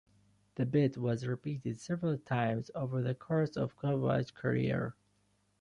The bit was repeated several times over the course of Kovacs' career.